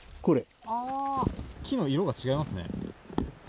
木の色が違いますね。